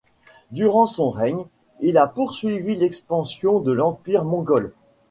Durant son règne, il a poursuivi l'expansion de l'empire mongol.